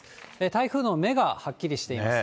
台風の目がはっきりしています。